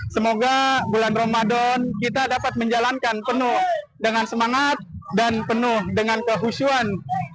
semoga bulan ramadan kita dapat menjalankan penuh dengan semangat dan penuh dengan kehusuan